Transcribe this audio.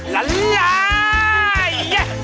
ละลาย